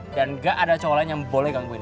dan gak ada cowok lain yang boleh gangguin lu